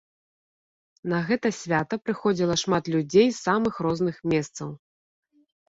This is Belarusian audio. На гэта свята прыходзіла шмат людзей з самых розных месцаў.